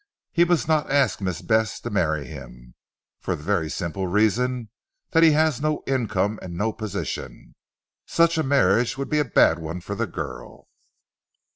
He must not ask Miss Bess to marry him, for the very simple reason that he has no income and no position. Such a marriage would be a bad one for the girl."